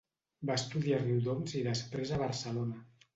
Va estudiar a Riudoms i després a Barcelona.